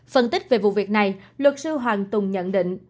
phân tích về vụ việc này luật sư hoàng tùng nhận định